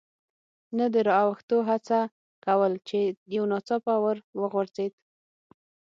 نه د را اوښتو هڅه کول، چې یو ناڅاپه ور وغورځېد.